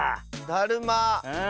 だるま。